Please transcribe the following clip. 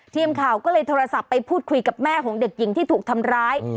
ทีมข่าวก็เลยโทรศัพท์ไปพูดคุยกับแม่ของเด็กหญิงที่ถูกทำร้าย